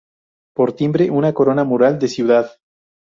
Por timbre una corona mural de ciudad.